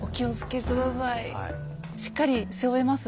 しっかり背負えます？